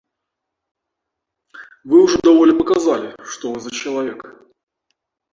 Вы ўжо даволі паказалі, што вы за чалавек.